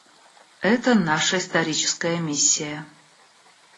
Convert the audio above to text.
Это наша историческая миссия.